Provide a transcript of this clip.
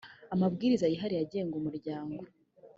amabwiriza yihariye agenga umuryango